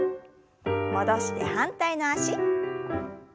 戻して反対の脚。